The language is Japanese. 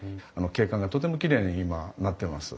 景観がとてもきれいに今なってます。